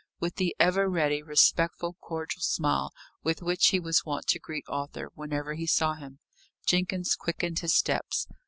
With the ever ready, respectful, cordial smile with which he was wont to greet Arthur whenever he saw him, Jenkins quickened his steps.